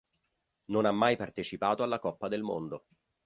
Non ha mai partecipato alla Coppa del mondo.